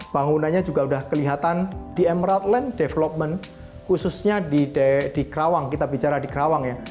bangunannya juga sudah kelihatan di emerald land development khususnya di kerawang kita bicara di kerawang ya